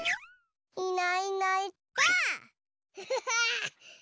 いないいないばあっ！